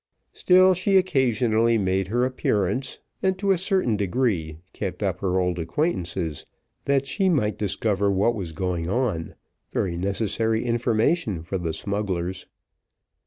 Still she occasionally made her appearance, and to a certain degree kept up her old acquaintances, that she might discover what was going on very necessary information for the smugglers.